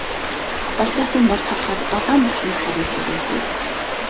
Болзоотын бор толгойд долоон бор хонио хариулдаг байжээ.